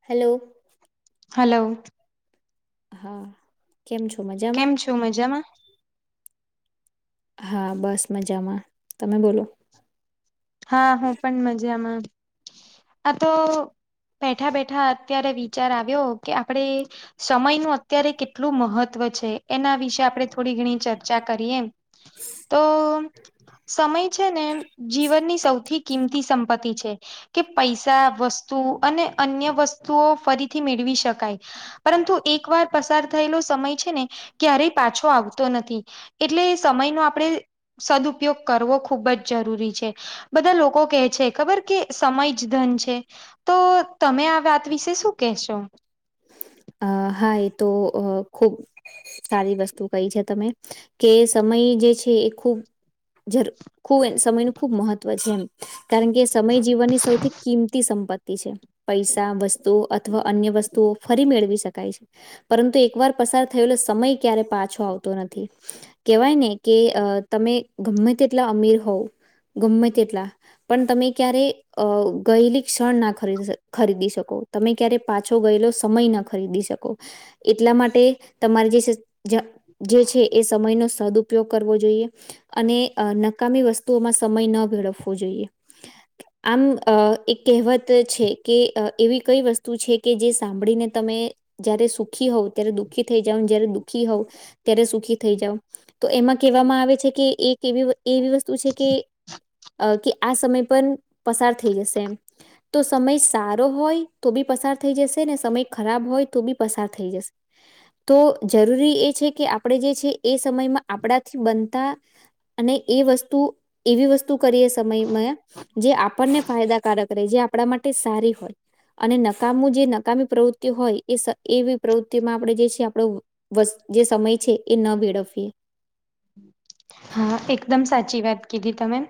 Hello. Hello. હા, કેમ છો મજામાં? શું મજામાં? હા, બસ મજામાં તમે બોલો? હા, હું પણ મજામાં આ તો.,. બેઠા-બેઠા અત્યારે વિચાર આવ્યો કે આપણેે... સમયનું અત્યારે કેટલું મહત્વ છે એના વિશે આપણે થોડી ઘણી ચર્ચા કરીએ એમ. તો સમય છે ને? જીવનની... તેથી કિંમતી સંપતિ છે. કે પૈસા વસ્તુ અને અન્ય વસ્તુઓ ફરીથી મેળવી શકાય. પરંતુ એક વાર પસાર થયેલો સમય છે ને ક્યારેય પાછો આવતો નથી. એટલે સમયનો આપણે સદપયોગ કરવો ખૂબ જ જરૂરી છે. બધા લોકો કેહે છે ખબર કે સમય જ ધન છે. તો તમે આ વાત વિશે શું કહેશો? અ હાય, તો અ ખૂબ... સારી વસ્તુ કહી છે તમે કે સમય જે છે એ ખૂબ જરૂ ખૂબ એ સમય ન ખૂબ મહત્વ છે. એમ કારણ કે સમય જીવનની સૌથી કિંમતી સંપત્તિ છે. પૈસા વસ્તુ અથવા અન્ય વસ્તુઓ ફરી મેળવી શકાય છે. પરંતુ એકવાર પસાર થયેલો સમય ક્યારે પાછો આવતો નથી. કેવાય ને કે તમે ગમે તેટલા અમીર હોવ ગમેમે તેટલા, પણ તમે ક્યારે અ ગયેલી ક્ષણના ખરી ખરીદી શકો તમે ક્યારે પાછો ગયેલો. સમય ન ખરીદી શકો એટલા માટે તમારે જે... જે છે એ સમય નો સદઉપયોગ કરવો જોઈએ. અને નકામી વસ્તુઓમાં સમય ન ભેળવવો જોઈએ. આમ એક કહેવત છે કે એવી કઈ વસ્તુ છે, કે જે... સાંભળીને તમે જયારે સુખી હોવ ત્યારે દુઃખી થઈ જાવને જયારે દુઃખી હોવ, ત્યારે સુખી થઈ જાવ. તો એમાં કેહેવામાં આવે છે કે એક એવી એવી વસ્તુ છે, કે.... અ કે આ સમય પણ પસાર થઈ જશે એમ. તો સમય સારો હોય તો બી પસાર થઈ જશે. ને સમય ખરાબ હોય તો બી પસાર થઈ જશે. તો જરૂરી એ છે કે આપણે જે છે એ સમયમાં આપણાથી બનતા... અને એ વસ્તુ એવી વસ્તુ કરીએ સમયમાં જે આપણને ફાયદાકારક રહે જે... આપડા માટે સારી હોય અને નકામું જે... નકામી પ્રવૃત્તિઓ હોય એ એવી પ્રવૃત્તિમાં આપણેે જે છે આપણ વસ્ જે સમય છે એ ન વેળવીએ. હા, એકદમ સાચી વાત કીધી તમે.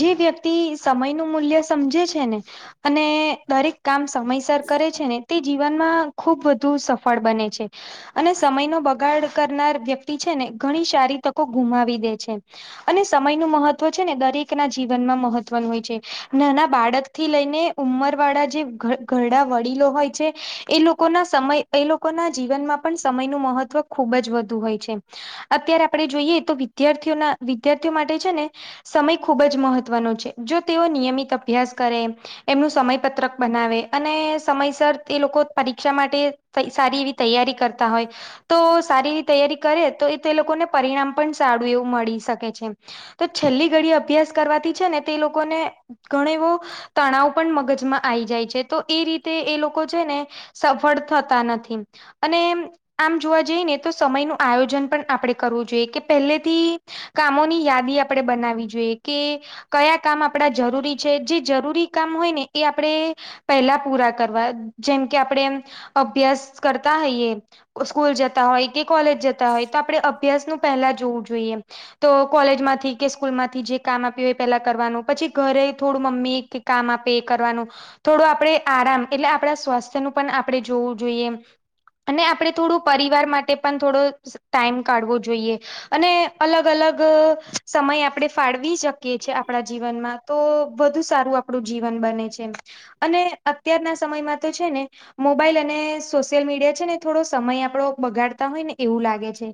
જે વ્યક્તિ સમય નું મૂલ્ય સમજે છે ને, અને દરેક કામ.. સમયસર કરે છે ને, તે જીવનમાં ખૂબ વધુ સફળ બને છે. અને સમયનો બગાડ કરનાર વ્યક્તિ છે ને, ઘણી સારી તકો ગુમાવી દે છે. અને સમયનું મહત્વ છે ને દરેકના જીવનમાં મહત્વનું હોય છે. નાના બાળકથી લઈને ઉંમરવાળા જે ઘર ઘરડા વડીલો હોય છે, એ લોકોના સમય એ લોક લોકોના જીવનમાં પણ સમયનું મહત્વ ખુબ જ વધુ હોય છે એમ. અત્યારે આપણે જોઈએ તો વિધ વિદ્યાર્થીઓના વિદ્યાર્થીઓ માટે છે ને સમય ખૂબ જ મહત્વનો છે. જો તેઓ નિયમિત અભ્યાસ કરે એમનું સમયપત્રક બનાવે અને સમયસર એ લોકો પરીક્ષા માટે સારી એવી તૈયારી કરતા હોય. તો સારી એવી તૈયારી કરે તો એ તે લોકોને પરિણામ પણ સારું એવું મળી શકે છે એમ. તો છેલી ઘડીએ અભ્યાસ કરવાથી છે ને તે લોકોને ઘણ એવો તણાવ પણ મગજમાં આઈ જાય છે. તો એ રીતે એ લોકો છે ને સફળ થતા નથી. અને આમ જોવા જઈને તો સમયનું આયોજન પણ આપણે કરવું જોઈએ, કે પહેલેથી કામોની યાદી આપણેે બનાવી જોઈએ કે કયા કામ આપડા જરૂરી છે, જે જરૂરી કામ હોય ને એ આપડે પેહેલા પૂરા કરવા. જેમ કે આપણેે એમ અભ્યાસ કરતા હોઈએ. સ્કૂલ જતા હોય કે, કોલેજ જતા હોય તો આપડે અભ્યાસનુ પહેલા જોવું જોઈએ એમ. તો કોલેજમાંથી કે સ્કૂલમાંથી જે કામ આપ્યું હોય એ પેલા કરવાનું. પછી ઘરે થોડું મમ્મી કામ આપે એ કરવાનું. થોડું આપડે આરામ એટલે આપડા સ્વાસ્થ્યનું પણ આપણે જોવું જોઈએ એમ. અને આપણે થોડું પરિવાર માટે પણ થોડો ટાઈમ કાઢવો જોઈએ. અને અલગ અલગ સમય આપણે ફાળવી શકીએ છીએ આપણા જીવનમાં તો વધુ સારું આપણું જીવન બને છે એમ. અને અત્યારના સમયમાં તો છે ને મોબાઈલ અને સોશિયલ મીડિયા છે ને, થોડો સમય આપડો બગાડતા હોય ને એવું લાગે છે.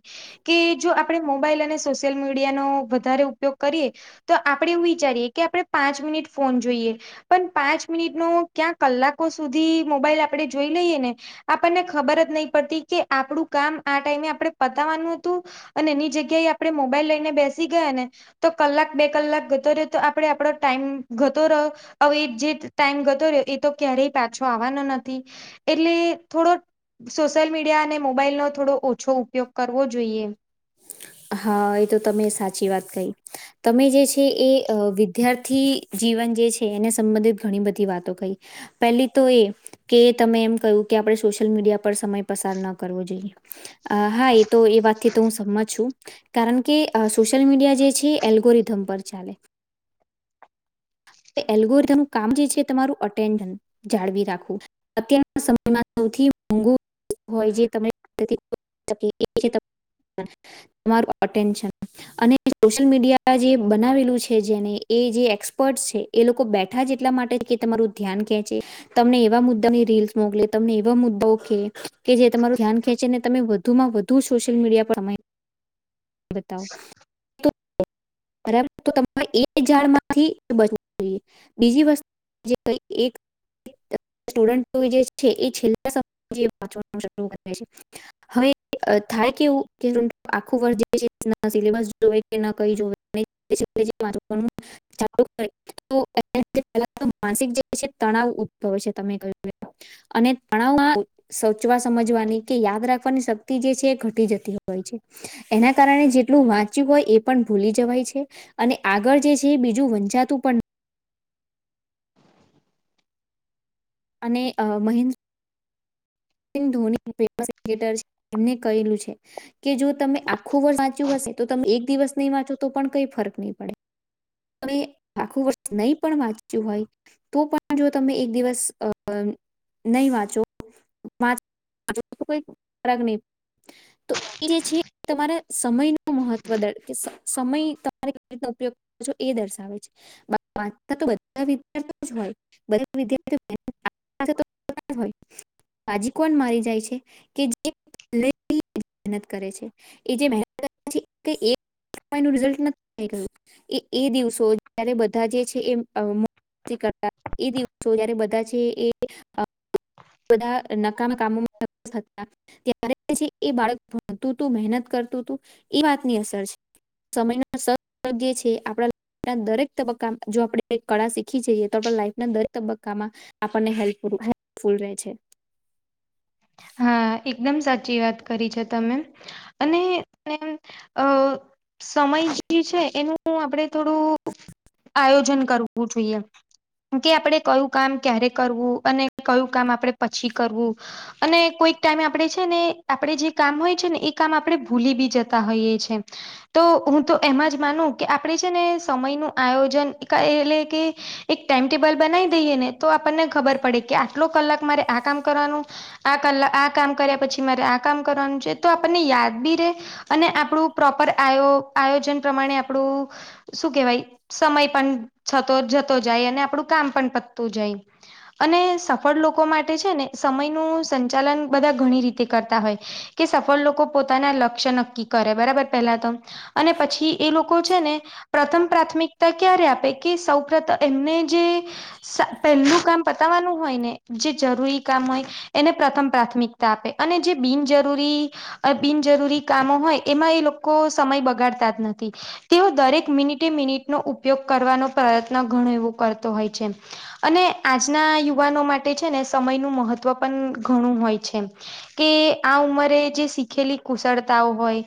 કે જો આપડે મોબાઈલ અને સોશિયલ મીડિયાનો વધારે ઉપયોગ કરીએ. તો આપડે એવું વિચારીએ કે આપણે પાંચ મિનિટ ફોન જોઈએ. પણ પાંચ મિનિટ નો ક્યાં કલાકો સુધી મોબાઈલ આપડે જોઈ લઈએ ને આપણને ખબર જ નહી પડતી કે આપડું કામ આ ટાઈમે આપણેે પતાવાનું હતું. અને એની જગ્યાએ આપણે મોબાઈલ લઈને બેસી ગયા ને. તો કલાક બે કલાક ગતો રહે્યો તો આપડે આપડો ટાઈમ ગતો રહો. હવે એ જે ટાઈમ ગતો રહ્યો એ તો ક્યારેય પાછો આવવાનો નથી. એટલે થોડો સોશિયલ મીડિયા અને મોબાઈલનો થોડો ઓછો ઉપયોગ કરવો જોઈએ એમ. હા, એ તો તમે સાચી વાત કહી. તમે જે છે, એ વિદ્યાર્થી જીવન જે છે, એને સંબંધિત ઘણી બધી વાતો કહી. પેલી તો એ કે, તમે એમ કહ્યું કે આપણે સોશિયલ મીડિયા પર સમય પસાર ન કરવો જોઈએ. હા એતો એ વાતથી તો હું સમંત છું. કારણ કે સોશિયલ મીડિયા જે છે એલ્ગોરિધમ પર ચાલે. એ એલગોરીધમ કામ જે છે એ તમારું અટેન્ડ જાળવી રાખું. અત્યારના સમયમાં સૌથી મોઘું હોય જે તમે [inaudible] એ છે તમારું અટેન્શન અને સોશિયલ મીડિયા જે બનાવેલું છે જેને એ જે એક્સપર્ટ છે. એ લોકો બેઠા જ એટલા માટે કે તમારું ધ્યાન ક્યાં છે. તમને એવા મુદ્દાની રીલ્સ મોકલે, તમને એવા મુદ્દાઓ કે કે જે તમારું ધ્યાન ખેંચે ને તમે વધુમાં વધુ સોશિયલ મીડિયા પર સમય બતાવ. બરાબર તો તમારે એ જાળમાંથી બચવું જોઈએ. બીજી વસ્ત જે કઈ એક અ સ્ટુડનુ એ જે છે. ઈ છેલ્લા સમ-જે વાચવાનું શરૂ કરે છે. હવે અ થાય કેવું કે જ આખું વર્ જે છે ના સિલેબસ જોવે કે ના કઈ જોવાય. [inaudible] સે-એ-લે જે વાં-અ-ચ-અ-વાનું. [inaudible] [inaudible] માનસિક જે-છે-એ તણાવ ઉદભવે છે, ત-અ-મે કયું એમ. અને તણાઉમાં સોચવા સમજવાની કી યાદ રાખવાની શક્તિ જે છે, એ ઘટી જતી હોય છે. એના કારણે જેટલું વાંચ્યું હોય એ પણ ભૂલી જવાય છે અને આગળ જે છે, બીજું વંચાતું પન અને અ મહેન્ કેન-ધોની-ફે-મ-સ-કી-કે-ટર સે. એમને કયું છે. કે જો તમે આખું વર્ષ વાંચ્યું હશે, તો તમે એક દિવસ નઈ વાંચો, તો પણ કઈ ફરક નઈ પડે. તમે આખું વર્ષ નઈ પણ વાંચ્યું હોય. તો પણ જો તમે એક દિવસ અ નઈ વાંચો. વાચો તો કોઈ ફરક નઈ તો એ જે છે તમારે સમય નું મહત્વ દળ કે સ-સ-સમય તમારે કે-વ રીત ઉપયોગ જો એ દર્શાવે છે. વા-વા-ચતા તો બધા વિદ્યાર્થી જ ઓય. બધા વિદ્યાર્થી હોય. બાજી કોન મારી જાય છે, કે જે પેલેથી નત કરે છે, એ જે મહેન-અ-ટ [inaudible] એ રિઝલ્ટ ન-અ-થ રીતે. એ એ દિવસો જયારે બધા જે છે એ મ્મ થી કતા એ દિવસો જયારે બધા છે એ અ હ [inaudible] બધા નકામા કામોમાંતા સ્થ-હતા. ત્યારે એ જે બાળક ભણતું તું, મહેનત કરતું તું એ વાતની અસર છે. સમયના સ-અ-ગે છે. આપણા-ણા દરેક તબક્કામાં જો આપડે કળા સી ખી જઈએ તો ત લાઈફના દરેક તબક્કામાં આપણને હેલ્પ હેલ્પફુલ રહે છે. હા, એકદમ સાચી વાત કરી છે તમે. અને નેમ અ સમય જે છે, એનું આપડે થોડું આયોજન કરવું જોઈએ. કે આપડે કયું કામ ક્યારે કરવું અને કયું કામ આપડે પછી કરવું. અને કોઈક ટાઈમે આપણે છે ને, આપણેે જે કામ હોય છે ને, એ કામ આપણે ભૂલી બી જતા હોઈએ છે. તો હું તો એમાં જ માનું કે આપણેે છે ને સમય નું આયોજન એકા એ એટલે કે એક ટાઈમ ટેબલ બનાયી દઈએ ને, તો આપને ખબર પડે કે, આટલો કલાક મારે આ કામ કરવાનું આ કલા આ કામ કર્યા પછી મારે આ કામ કરવાનું છે તો આપને યાદ બી રે. અને આપણું પ્રોપર આયો આયોજન પ્રમાણે આપળુ. શું કેવાય સમય પણ જતો જતો જાય અને આપડણું કામ પણ પતું જાય. અને સફળ લોકો માટે છે ને, સમય નું સંચાલન બધા ઘણી રીતે કરતા હોય. કે સફળ લોકો પોતાના લક્ષ્ય નક્કી કરે, બરાબર. પેલા તો અને પછી એ લોકો છે ને પ્રથમ પ્રાથમિકતા ક્યારે આપે કે સૌપ્રથ એમને જે સા પેલ્લુ કામ પતાવાનું હોય ને, જે જરૂરી કામ ઓય. એને પ્રથમ પ્રાથમિકતા આપે અને જે બિનજરૂરી અ બિનજરૂરી કામો હોય, એમાં એ લોકો સમય બગાડતા જ નથી. તેઓ દરેક મિનિટે મિનિટનો ઉપયોગ કરવાનો પ્રયત્ન ઘણો એવો કરતો હોય છે. અને આજના યુવાનો માટે છે, ને સમયનું મહત્વ પણ ઘણું હોય છે. કે આ ઉંમરે જે શીખેલી કુશળતાઓ હોય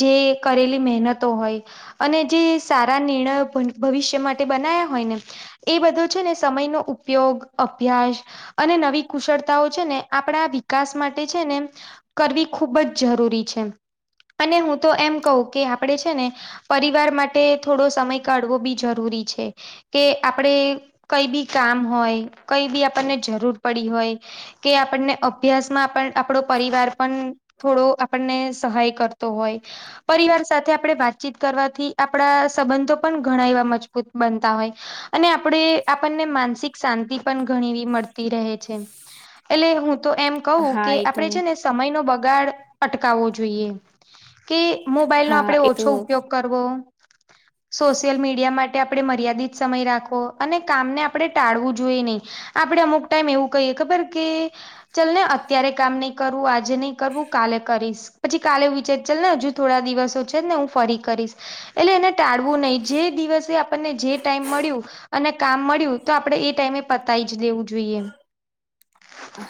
જે કરેલી મહેનતો હોય. અને જે સારા નિર્ણય ભ ભવિષ્ય માટે બનાયા હોય ને એ બધો છે, ને સમયનો ઉપયોગ અભ્યાસ અને નવી કુશળ તા છે, ને આપણા વિકાસ માટે છે ને કરવી ખૂબ જ જરૂરી છે. અને હું તો એમ કહું કે આપડે છે, ને પરિવાર માટે થોડો સમય કાઢવો બી જરૂરી છે. કે આપડે કઈ બી કામ હોય કઈ બી જરૂર પડી હોય. કે આપણને અભ્યાસમાં આપ આપણો પરિવાર પણ થોડો આપણને સહાય કર તો હોય. પરિવાર સાથે આપણે વાતચીત કરવાથી આપણા સંબંધો પણ ઘણા એવા મજબૂત બનતા હોય. અને આપણેે આપણને માનસિક શાંતિ પણ ઘણી એવી મળતી રહે છે. એટલે હું તો એમ કહું હા કે એ તો આપડે છે, ને સમય ન બગાડ અટકાવવો જોઈએ કે મોબાઈલ નો હા આપણે એ ઓછો તો ઉપયોગ કરવો. સોશિયલ મીડિયા માટે આપણે મર્યાદિત સમય રાખવો અને કામને આપણે ટાળવું જોઈએ નહીં. આપડે અમુક ટાઈમ એવું કહીએ ખબર કે ચલ ને અત્યારે કામ નહી કરવું આજે નહી કરવું કાલે કરીશ. પછી કાલે વિચાર ચાલ ને હજુ થોડા દિવસો છે, ને હું ફરી કરીશ એટલે એને ટાળવું નહી જે દિવસે આપણને જે ટાઈમ મળ્યું અને કામ મળ્યું તો આપણેે એ ટાઈમે પતાવી જ દેવું જોઈએ.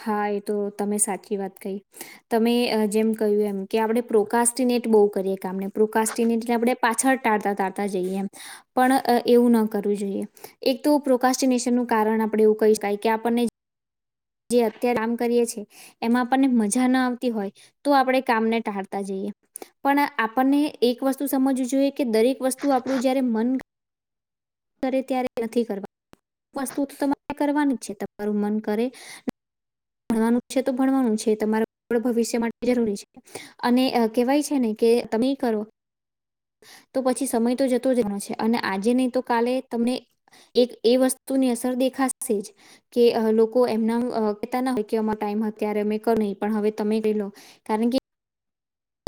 હા એ તો તમે સાચી વાત કહી. તમે જેમ કહ્યું એમ કે આપણે પ્રોકાસ્ટીનેટ બો કરીએ કામને પ્રોકાસ્ટીનેટલે આપણે પાછળ ટાળતા ટાળતા જઈએ એમ પણ એવું ન કરવું જોઈએ એક તો પ્રોકાસ્ટિનેશનનું કારણ આપણે એવું કહી શકાય કે આપણને જે અત્યારે કામ કરીએે છે. એમાં આપણને મજા ના આવતી હોય તો આપણે કામને ટાળતા જઈએ. પણ આપણને એક વસ્તુ સમજવું જોઈએ કે દરેક વસ્તુ આપણું જયારે મન કરે ત્યારે નથી કરવા વસ્તુ તો તમારે કરવાની જ છે, તમારું મન કરે ભણવાનું છે, તો ભણવાનું છે, તમારા ભવિષ્ય માટે જરૂરી છે. અને અ કેવાય છે, ને કે તમે કરો તો પછી સમય તો જતો રહેવાનો છે, અને આજે નહી તો કાલે તમને એક એ વસ્તુની અસર દેખાશે જ કે લોકો એમના અ કહેતાના હોય કે અમાં હતો ત્યારે અમે કર નહીં હવે તમે કહીલો કારણ કે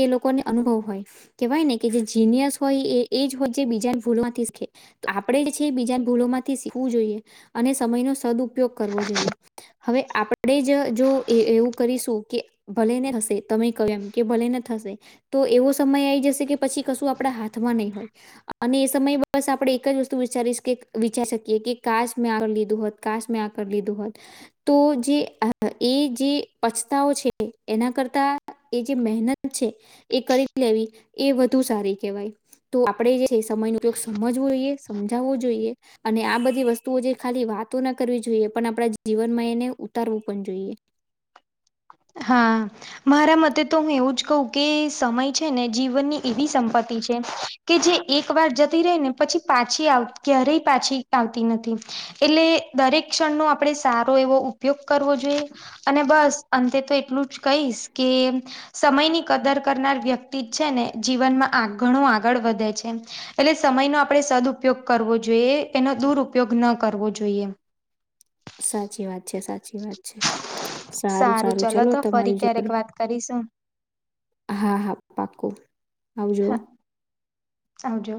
એ લોકોને અનુભવ હોય કેહેવાય ને કે જે જીનિયસ હોય એ એ જ હોય જે બીજા ભૂલમાંથી શીખે આપણે છે, એ બીજા ભૂલો માંથી શીખવું જોઈએ અને સમય નો સદઉપયોગ કરવો જોઈએ. હવે આપડે જ જો એવું કરીશું કે ભલે ને હશે તમે કહ એમ કે ભલેને થશે તો એવો સમય આવી જશે કે પછી કશું આપણા હાથમાં નહીં હોય. અને એ સમયે બસ આપણે એક જ વસ્તુ વિચારીશ કે વિચારી શકીએ કે કાસ મેં આ લીધું હોત કાશ મે આ કરલીધુ હોત તો જે એ જે પછતાઓ છે, એના કરતા એ જે મહેનત છે, એ કરી લેવી એ વધુ સારી કેહેવાય. તો આપણેે જે છે એ સમય ન ઉપયોગ સમજવો જોઈએ સમજાવવું જોઈએ. અને આ બધી વસ્તુઓ જે ખાલી વાતો ના કરવી જોઈએ પણ આપણા જીવનમાં એને ઉતારવું પણ જોઈએ. હા. મારા મતે તો હું એવું જ કહું કે સમય છે ને જીવનની એવી સંપત્તિ છે. કે જે એક વાર જતી રહી ને પછી પાછી આવતી ક્યારેય પાછી આવતી નથી. એટલે દરેક ક્ષણનો આપણે સારો ઉપયોગ કરવો જોઈએ અને બસ અંતે તો એટલું જ કહીશ કે સમયની કદર કરનાર વ્યક્તિ છે ને જીવનમાં ઘણું આગળ વધે છે. એટલે સમયનો આપણે સદપયોગ કરવો જોઈએ એનો દુરપયોગ ન કરવો જોઈએ. સાચી વાત છે સાચી છે સારું ચલો સારું તો ફરી તમારી ક્યારેક જોડે વાત કરીશું. હા, હા પાકો આવજો. હા આવજો.